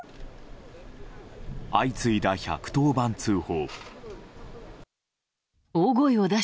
相次いだ１１０番通報。